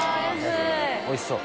おいしそう。